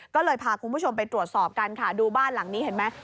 ก็เลยพาคุณผู้ชมไปตรวจสอบกันค่ะดูบ้านหลังนี้เห็นไหม